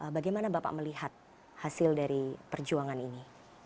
bagaimana bapak melihat hasil dari perjuangan ini